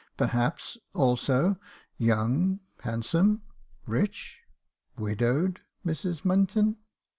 Perhaps, also, young, — handsome, — rich, — widowed Mrs. Munton